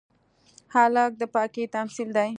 هلک د پاکۍ تمثیل دی.